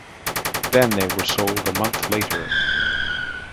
Then they were sold a month later.